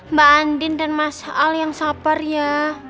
mbak andin dan mas al yang sabar ya